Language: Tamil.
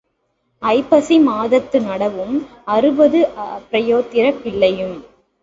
ஐப்பசி மாதத்து நடவும் அறுபது பிராயத்திற் பிள்ளையும்.